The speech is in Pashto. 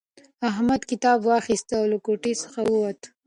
احمد کتاب واخیستی او له کوټې څخه ووتلی.